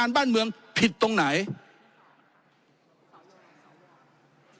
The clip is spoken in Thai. ท่านนายกคือทำร้ายระบอบประชาธิปไตยที่มีพระมหาคศัตริย์